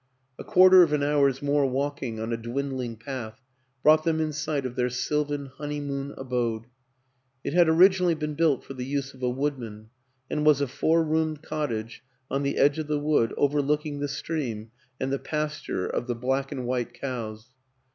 A quarter of an hour's more walking on a dwindling path brought them in sight of their sylvan honeymoon abode; it had originally been built for the use of a woodman, and was a four roomed cottage on the edge of the wood overlooking the stream and the pasture of the black and white cows.